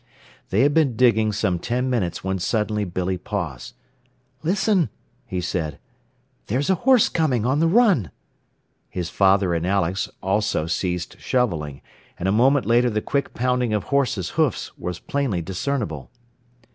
They had been digging some ten minutes when suddenly Billy paused. "Listen," he said. "There's a horse coming, on the run." His father and Alex also ceased shoveling, and a moment later the quick pounding of horse's hoofs was plainly discernible.